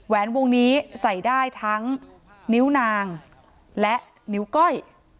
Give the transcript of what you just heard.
วงนี้ใส่ได้ทั้งนิ้วนางและนิ้วก้อย